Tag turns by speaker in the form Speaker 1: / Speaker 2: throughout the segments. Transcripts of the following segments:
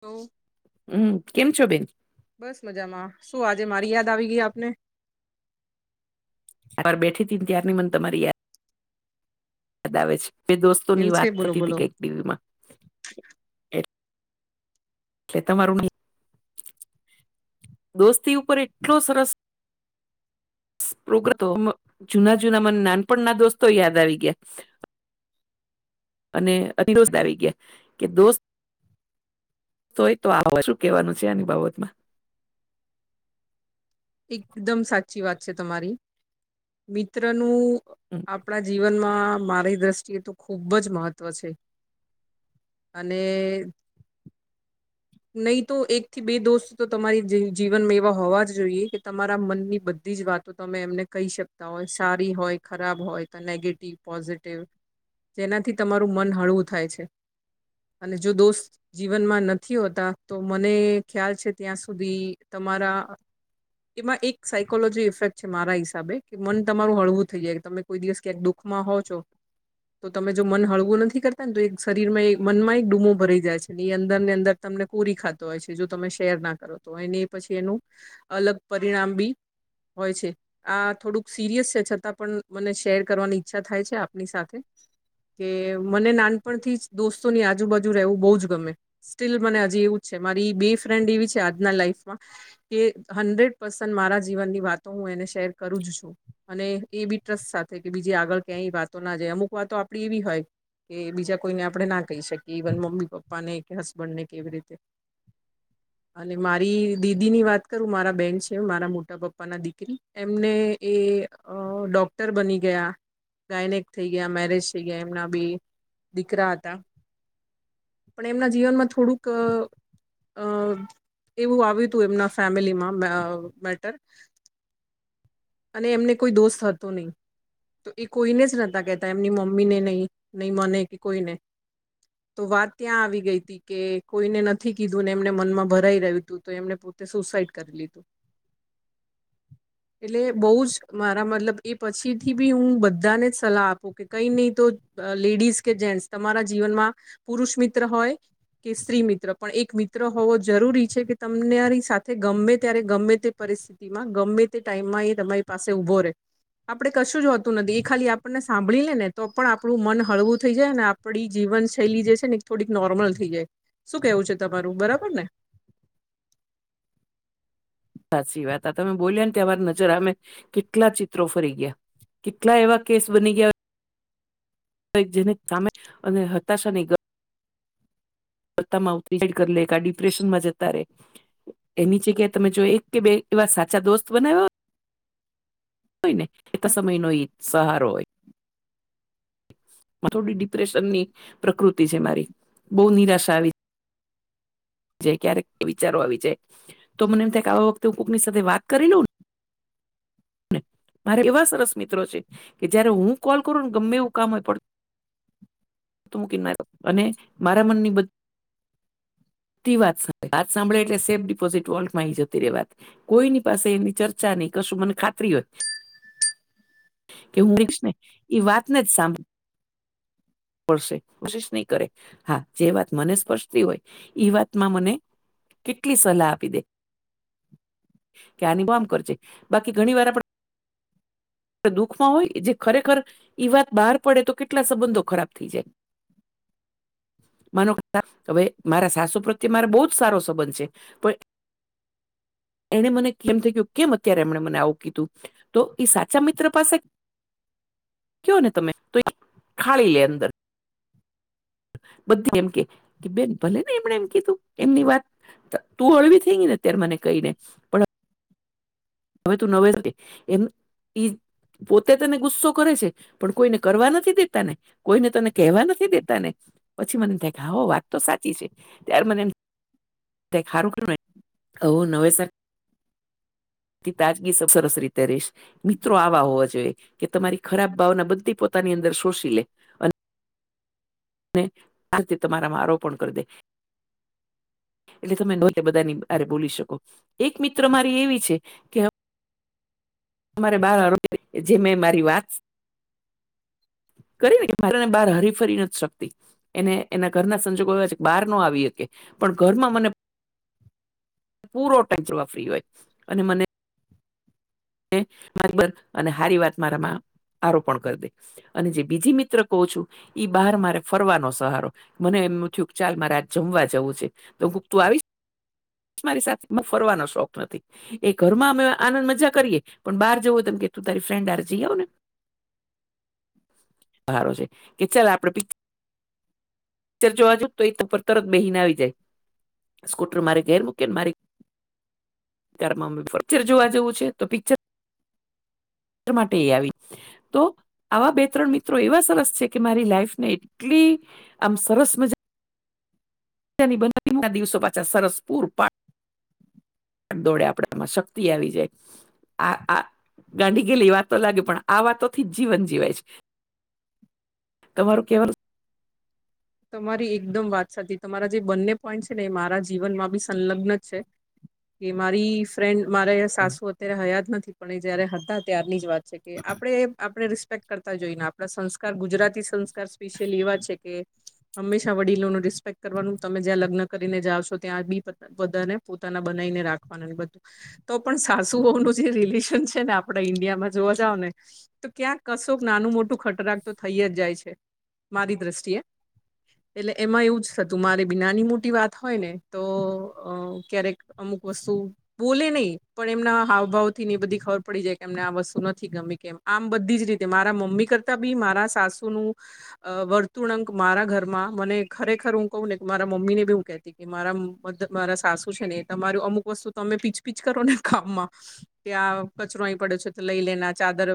Speaker 1: હોવ.
Speaker 2: હમ, કેમ છો બેન.
Speaker 1: બસ મજામાં, શું આજે મારી યાદ આવી ગઈ આપને.
Speaker 2: [unintelligible] બેઠી ને ત્યારની મને તમારી યાદ. યાદ આવે છે, બે
Speaker 1: એવું
Speaker 2: દોસ્તોની
Speaker 1: છે
Speaker 2: વાત
Speaker 1: બોલો
Speaker 2: થતી ત
Speaker 1: બોલો
Speaker 2: કઈક ટીવીમાં. એટલે તમારુંની. દોસ્તી ઉપર એટલો સરસ. [unintelligible] જૂના જૂના મને નાનપણના દોસ્તો યાદ આવી ગયા. અને અતિ દોસ્ત આવી ગયા, કે દોસ્ત. તો તો આવ શું કેવું છે, આની બાબતમાં.
Speaker 1: એકદમ સાચી વાત છે તમારી, મિત્રનું. આપણા જીવનમાં મારી દ્રષ્ટિ. તે તો ખૂબ જ મહત્વ છે. નહી તો એકથી બે દોસ્ત તો તમારી જીવનમાં એવા હોવા જ જોઈએ. કે તમારા મનની બધી જ વાતો તમે એમને કેય શકતા હોય સારી હોય, ખરાબ હોય. નેગેટિવ, પોઝિટિવ જેનાથી તમારું મન હળવું થાય છે. અને, જો દોસ્ત. જીવનમાં નથી હોતા, તો મને ખ્યાલ છે ત્યાં સુધી તમારા. એમાં એક સાયકોલોજી ઇફેક્ટ છે મારા હિસાબે કે, મન તમારું હળવું થઈ જાય તમે કોઈ દિવસ ક્યાક દુઃ. ખમાં હો છો. તો તમે જો મન હળવું નથી કરતા ને, તો એક શરીરમાં એક મનમાં એક ડુમો ભરાઈ જાય છે એ અંદર ને અંદર. તમને કોરી ખાતો હોય છે, જો તમે શેરના કરો તો એને પછી એનું. અલગ પરિણામ બી હોય છે. આ થોડુંક સિરિયસ છે છતાં પણ, મને શેર કરવાની ઈચ્છા થાય છે આપની સાથે. કે મને નાનપણથી જ દોસ્તોની આજુબાજુ રહેવું બહુ જ ગમે. સ્ટીલ મને હજી એવું જ છે, મારી બે ફ્રેન્ડ એવી છે આજના લાઈફમાં કે. હન્ડ્રેડ પર્સન્ટ મારા જીવનની વાતો હું એને શેર કરું જ છું. અને એ બી ટ્રસ્ટ સાથે કે બીજી આગળ ક્યાંય વાતો ના જાય, અમુક વાતો આપડી એવી હોય. કે બીજા કોઈને આપણે ના કહી શકીએ, ઇવન મમ્મી પપ્પા ને કે હસબન્ડ ને એવી રીતે. અને મારી દીદીની વાત. કરું મારા બેન છે, મારા મોટા પપ્પાના દીકરી એમને એ. અ ડોક્ટર બની ગયા. ગાયનેક થઈ ગયા મેરેજ થઈ ગયા એમના બી દીકરા હતા. પણ એમના જીવનમાં થોડુંક અ એવું આવ્યું હતું એમના ફેમિલીમાં અ મેટર અને એમને કોઈ દોસ હતો નહી તો એ કોઈને [unintelligible] નહતા કહેતા એમની મમ્મી ને નહી નહી મને કે કોઈને તો વાત ત્યાં આવી ગઈ હતી. કે કોઈને નથી કીધું એમને મનમાં ભરાઈ રહ્યું તું તો એમને પોતે સુસાઈડ કરી લીધું. એટલે બહુ જ મારા મતલબ એ પછી થી બી હું બધાને જ સલાહ આપું કે કઈ નહી તો લેડીઝ કે જેન્ટ્સ તમારા જીવનમાં પુરુષ મિત્ર હોય કે સ્ત્રી મિત્ર પણ એક મિત્ર હોવો જરૂરી છે કે તમનેરી સાથે ગમે ત્યારે ગમે તે પરિસ્થિતિ માં ગમે તે ટાઈમમાં એ તમારી પાસે ઉભો રે આપડે કશું જો હોતું નથી એ ખાલી આપણને સાંભળી લે ને તો પણ આપણું મન હળવું થઈ જાય ને આમ આપડી જીવન શૈલી જે છે ને થોડીક નોર્મલ થઈ જાય શું કેવું છે તમારું બરાબર ને.
Speaker 2: સાચી વાત આ તમે બોલ્યા ને ત્યાં વાર નજર અમે કેટલા ચિત્રો ફરી ગયા. કેટલા એવા કેસ બની ગયા હોય ન જેને [unintelligible] [unintelligible] કરી લે કે આ ડિપ્રેશનમાં જતા રે એની જગ્યા તમે જો એક કે બે એવા સાચા દોસ્ત બનાવ્યા હોત હોય ને એક સમય નો એ સહારો‌ હોય. થોડી ડિપ્રેશનની પ્રકૃતિ છે મારી બહુ નિરાશા આવી જે ક્યારેક વિચારો આવી જાય તો મને એમ થાય કે આવા વખતે હું કોકની સાથે વાત કરી લઉ ને મારે એવા સરસ મિત્રો છે કે જયારે હું કોલ કરું ને ગમે એવું કામ હોય પડતું તું મૂકીને અને મારા મનની બધ બધી વાત સામ વાત સાંભળે એટલેે સેફ ડિપોઝીટ વોલ્ટમાં આવી જતી રેવાની વાત. કોઈની પાસે એની ચર્ચા નહી કરશું મને [unintelligible] [unintelligible] એ વાત ને જ સાંભ પડશે કોશિશ નહી કરે હા જે વાત મને સ્પર્શતી હોય ઈ વાતમાં મને કેટલી સલાહ આપી દે કે આની માં આમ કરજે બાકી ઘણી વાર આપણે દુઃખમાં હોય જે ખરેખર ઈ વાત બહાર પડે તો કેટલા સંબંધો ખરાબ થઈ જાય.
Speaker 1: [inaudible]
Speaker 2: માનો હવે મારા સાસુ પ્રત્યે મારે બહુ જ સારો સંબંધ છે, પણ એણે મને કેમ થઈ ગયું કેમ અત્યારે એમણે મને આવું કીધું તો એ સાચ [unintelligible] મિત્ર પાસે કયો ને તમે તો ખાળી લે અંદર. બધી એમ કે બેન ભલે ને એમણે એમ કીધું એમની વાત તું હળવી થઈ ગઈ ને અત્યારે મને કઈ ને પણ હવે તું નવે [unintelligible] એમ ઈ પોતે તને ગુસ્સો કરે છે પણ કોઈને કરવા નથી દેતાને કોઈને તને કહેવા નથી દેતા ને. પછી મને એમ થા હો વાત તો સાચી છે ત્યારે મને એમ કંઈક હારું કરવાની હું નવે સા તાજગી સરસ રીતે રહીશ મિત્રો આવા હોવા જોઈએ કે તમારી ખરાબ ભાવના બધી પો આની અંદર શોષી લે ને આાલથી તમારામાં આરોપણ કરી દે એટલે તમે બધાની આરે બોલી શકો એક મિત્ર મારી એવી છે કે હ તમારે બાર [unintelligible] જે મેં મારી વાત કરીને કે મા ને બહાર હરી ફરી નથી શકતી. એને એના ઘરના સંજોગો એવા બહાર નો આવી શકે પણ ઘરમાં મને પૂરો ટાઈ ફ્રી હોય અને મને બર અને સારી વાત મારામાં આરોપણ કરી દે અને જે બીજી મિત્ર કહો છું. ઈ બહાર મારે ફરવાનો સહારો મને એમ થયું ચાલ મારે આ જમવા જાવું છે. તો ભૂતું આવીશ. મારી સાથેમાં ફરવાનો શોખ નથી. એ ઘરમાં અમે આનંદ મજા કરીએ પણ બહાર જવું તમ કે તું તારી ફ્રેન્ડ આરે જઈ આવ ને સારો છે કે ચાલ આપડે પી જોવા જઉં તો એક ઉપર તરત બેહીને આવી જાય સ્કૂટર મારે ગેર મૂકીને મારી [unintelligible] જોવા જવું છે તો પિક્ચર માટે એ આવી તો આવા બે ત્રણ મિત્રો એવા સરસ છે કે મારી લાઈફને એટલી આમ સરસ મજા ની બધા ના દિવસો પાછા સરસ પૂરા પાડ પા દોડે આપડામાં શક્તિ આવી જાય આ આ ગાંડી ગેલી વાતો લાગે પણ આ વાતો થી જ જીવન જીવાય છે. તમારું કેવાનું
Speaker 1: તમારી એકદમ વાત સાચી તમારા જે બંને પોઈન્ટ છે ને એ મારા જીવનમાં બી સંલગ્ન જ છે કે મારી ફેન્ડ મારે સાસુ અત્યારે હયાત નથી પણ જયારે હતા ત્યારની જ વાત છે કે આપણે આપણે રિસપેકટ કરતા જોઈને આપણા સંસ્કાર ગુજરાતી સંસ્કાર સ્પેશિયલી એવા છે કે હંમેશા વડીલો નું રિસ્પેક્ટ કરવાનું તમે જ્યાં લગ્ન કરીને જાવશો ત્યાં બી પ બધાને પોતાના બનાવીને રાખવાનું બધું તો પણ સાસુઓનું જે રિલેશન છે ને આપડા ઈન્ડિયામાં જોવા જાવ ને તો ક્યાંક કશોક નાનું મોટું ખટરાક તો થઈ જ જાય છે મારી દ્રષ્ટિએ એટલે એમાં એવું જ થતું મારે બી નાની મોટી વાત હોય ને તો અ ક્યારેક અમુક વસ્તુ બોલે નહી પણ એમના હાવભાવ થી ની બધી ખબર પડી જાય કે એમને આ વસ્તુ નથી ગમી કેમ આમ બધી જ રીતે મારા મમ્મી કરતા બી મારા સાસુનું અ વર્તુળક મારા ઘર માં મને ખરેખર હું કહું ને મારા મમ્મી ને બી હું કેતી એ મારા મ મારા સાસુ છે ને તમારું અમુક વસ્તુ તમે પીચપીચ કરો ને કામમાં ત્યાં કચરો અહી પડ્યો છે લઈ લે ને આ ચાદર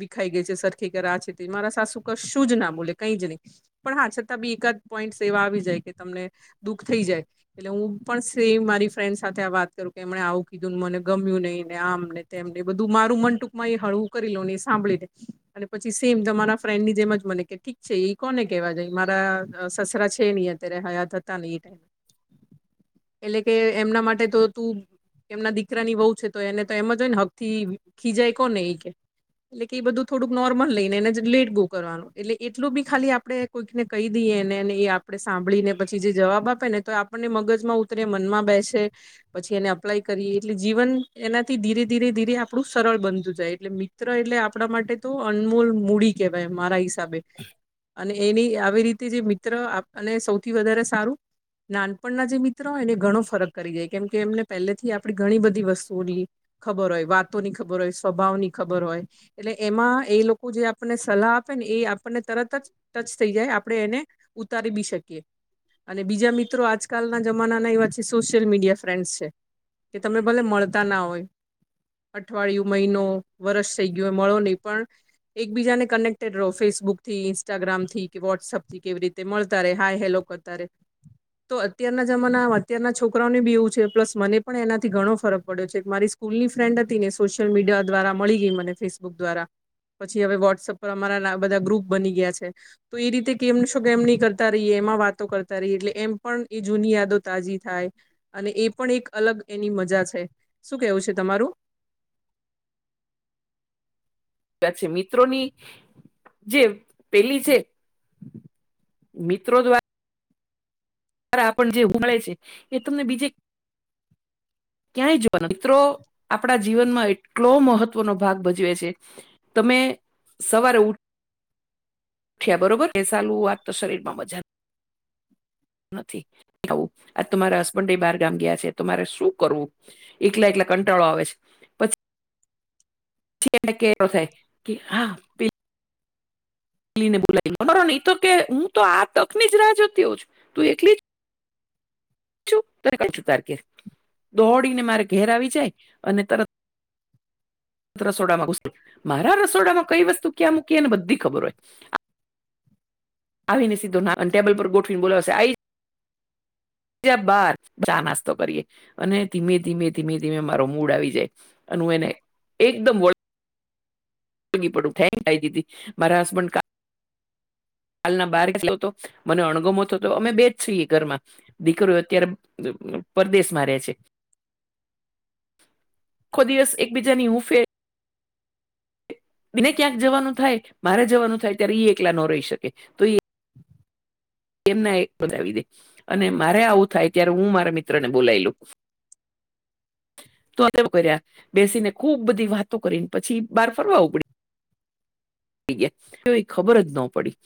Speaker 1: વિખાઈ ગઈ છે સરખી કર આ છે તે મારા સાસુ કર શું જ ના બોલે કઈ જ નહી પણ હા છતાં બી એકાદ પોઈન્ટ એવા આવી જાય કે તમને દુઃખ થઈ જાય એટલે હું પણ સે મારી ફ્રેન્ડ સાથે વાત કરું કે એમણે આવું કીધું ને મને ગમ્યું નહી આમને તેમને બધું મારું મન ટૂંકમાં એ હળવું કરી લો નહી સાંભળી ને અને પછી સેમ તમારા ફ્રેન્ડ ની જેમ જ મને કે ઠીક છે એક કોને કેવા જાય મારા સસરા છે નઈ અત્યારે હયાત હતા ને એ ટાઈમ એટલે કે એમના માટે તો તું એમના દીકરા ની વહુ છે તો એને તો એમ જ હોય ને હક થી ખીજાય કો ને એ કે એટલે કે એ બધું થોડુંક નોર્મલ લઈને એને લેટ ગો કરવાનું એટલે એટલું બી ખાલી આપડે કોઈકને કહી દઈએ નેને એ આપડે સાંભળી ને પછી જે જવાબ આપે ને તો આપણને મગજમાં ઉતરે મનમાં બેસે પછી એને અપ્લાય કરીએ એટલે જીવન એનાથી ધીરે ધીરે ધીરે આપણું સરળ બનતું જાય એટલે મી ત્રો એટલે આપડા તો અનમોલ કેહેવાય મારા હિસાબે.
Speaker 2: હ
Speaker 1: અને એની આવી રીતે જે મિત્ર આપ અને સૌથી વધારે સારું નાનપણના જે મિત્ર હોય એને ઘણો ફરક કરી જાય કેમ કે એમને પહેલેથી આપણી ઘણી બધી વસ્તુઓ લી ખબર હોય વાતોની ખબર હોય સ્વભાવ ની ખબર હોય એટલે એમાં એ લોકો જે આપણને સલાહ આપે ને એ આપણને તરત જ ટચ થઈ જાય આપડે એને ઉતારી બી શકીએ. અને બીજા મિત્રો આજકાલના જમાનાના એવા છે સોશિયલ મીડિયા ફ્રેન્ડસ છે કે તમને ભલે મળતા ના હોય અઠવાડિયું મહિનો વરસ થઈ ગયો મળો નહીં પણ એકબીજાને કનેક્ટેડ રહો ફેસબુક થી ઇન્સ્ટાગ્રામ થી કે વોટ્સઅપ થી કેવી રીતે મળતા રહે હાય હેલો કરતા રે તો અત્યારના જમાના અત્યારના છોકરાઓને બી એવું છે પ્લસ મને પણ એનાથી ઘણો ફરક પડ્યો છે કે મારી સ્કૂલની ફ્રેન્ડ હતી ને સોશિયલ મીડિયા દ્વારા મળી ગઈ મને ફેસબુક દ્વારા પછી હવે વોટ્સઅપ પર અમારા ના બધા ગ્રુપ બની ગયા છે તો એ રીતે કેમ શો કેમ નહી કરતા રહીએ એમાં વાતો કરતા રહીએ એટલે એમ પણ જૂની યાદો તાજી થાય અને પણ એક એની મજા છે શું કેવું છે તમારું?
Speaker 2: પછ મિત્રોની જે પેલી છે મિત્રો દ્વા રા આપણ જે હે છે એ તમને બીજે ક્યાંય જોવાનું મિત્રો આપડા જીવનમાં એટલો મહત્વનો ભાગ ભજવે છે તમે સવારે ઉઠ ઠ્યા બરોબર એ સાલું વાત તો શરીર માં મજા નથી આવું આજ તમારા હસબન્ડ બાર ગામ ગયા છે તમારે શું કરવું? એકલા એકલા કંટાળો આવે છે. થાય કે પેલો થાય કે હા પે ને બલા ખરો નહી તો કે હું તો આ તકની જ રાહ જોતી હો છ તું એલી જ છું ત કે દોડીને મારે ઘેર આવી જાય અને તરત રસોડામાં ઘૂસી મારા રસોડામાં કઈ વસ્તુ ક્યાં મૂકીને બધી ખબર હોય. આવી ને સીધો ના ટેબલ પર ગોઠવીને બોલાવશે આઈ જ્યાં બાર ચા નાસ્તો કરીએ. અને ધીમે ધીમે ધીમે ધીમે મારો મૂડ આવી જાય અને હું એને એકદમ વોલ ડ થ આઈ દીધી મારા હસબન્ડ હાલના બારયો હતો મને અણગમતો હતો અમે બેજ છીએ ઘરમાં. દીકરો અત્યારે પરદેશમાં રહે છે. ખો દિવસ એકબીજાની હું ફેર બને ક્યાંક જવાનું થાય મારે જવાનું થાય ત્યારે એ એકલા ન રહી શકે તો ઈ એમને બતાવી દે અને મારે આવું થાય ત્યારે હું મારા મિત્ર ને બોલાય લઉ તો કર્યા બેસીને ખુબ બધી વાતો કરીને પછી બહાર ફરવા ઉપડી ડી ગયા એ હે ખબર જ ના પડી.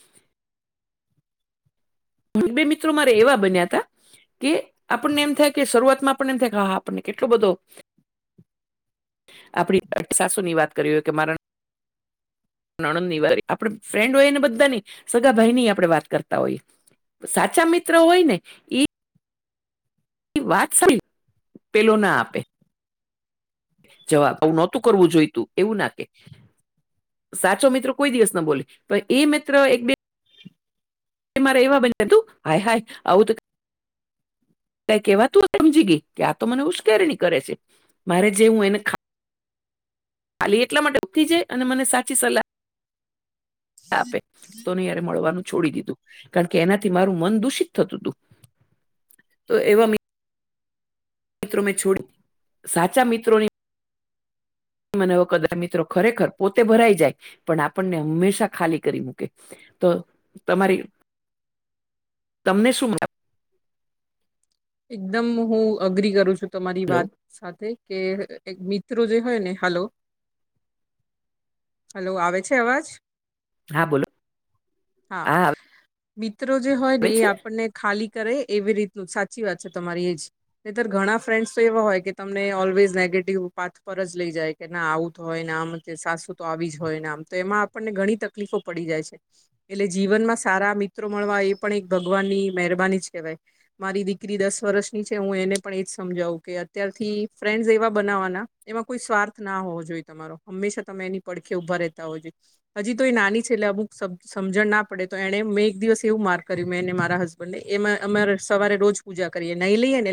Speaker 2: બે મિત્રો મારે એવા બન્યા તા તે આપણને એમ થાય કે આપણને એમ થાય હા આપણને કેટલો બધો આપડી સાસુ ની વાત કરીએ કે મારા નણંદ ની વાર આપણે ફ્રેન્ડ હોય ને બધાની સગા ભાઈ ની આપણેે વાત કરતા હોઈએ. સાચા મિત્રો હોય ને ઈ ઈ વાત સારી પેલો ના આપે જવાબ આવ નોતું કરવું જોઈતું એવું ના કે. સાચો મિત્રો કોઈ દિવસ ના બોલી પણ એ મિત્ર એક બે મારે એવા બન તું હાય હાય આવું તો તે કેહેવાતું હો સમજી ગઈ કે આ તો મને ઉશ્કેરણી કરે છે મારે જે હું એને ખા ખાલી એટલા માટે ઉકી જાય અને મને સાચી સલાહ આપે તોને યારે મળવાનું છોડી દીધું. કારણ કે એનાથી મારું મન દૂષિત થતું હતું તો એવા મી ત્રો મેં છોડી સાચા મિત્રોની મને હવે કદાચ મિત્રો ખરેખર પોતે ભરાઈ જાય પણ આપણને હંમેશા ખાલી કરી મૂકે. તો તમારી તમને શું મ
Speaker 1: એકદમ હું અગ્રી કરું તમારી
Speaker 2: હલો
Speaker 1: વાત સાથે કે એક મિત્રો જે હોય ને, હલો? હલો, આવે છે અવાજ?
Speaker 2: હા બોલો હા
Speaker 1: મિત્રો જે હોય ને
Speaker 2: આવે
Speaker 1: એ
Speaker 2: છે
Speaker 1: આપણને ખાલી કરે એવી રીતનું સાચી વાત છે તમારી એજ. નતર ઘણા ફ્રેન્ડસ તો એવા હોય કે તમને ઓલવેઝ નેગેટિવ પાથ પર જ લઇ જાય. કે ના, આવુંત હોય ને આમ કે સાસુ તો આવી જ હોય ને આમ તો એમાં આપણને ઘણી તકલીફો પડી જાય છે. એટલે જીવનમાં સારા મિત્રો મળવા એ પણ એક ભગવાન ની મહેરબાની જ કેહેવાય. મારી દી રી દસ વર્ષની છે હું એને પણ એજ સમજાવું કે અત્યારથી ફ્રેન્ડસ એવા બનાવવાના એમાં કોઈ સ્વાર્થના હોવો જોઈએ તમારો હંમેશા તમે એની પડખે ઉભા રહેતા હોય જોઈએ. હજી તો એ નાની છે એટલે અમુક સમજણ ના પડે તો એણે મેં એક દિવસ એવું માર કર્યું મેંને મારા હસ બેન્ડ એમાં અમારે સવારે રોજ પૂજા કરીએ લઈએ ને?